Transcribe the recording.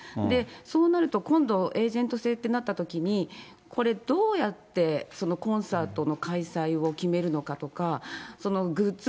そうなると、今度エージェント制ってなったときに、これ、どうやってコンサートの開催を決めるのかとか、グッズ